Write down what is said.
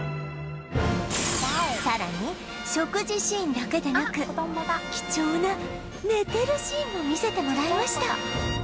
さらに食事シーンだけでなく貴重な寝てるシーンも見せてもらいました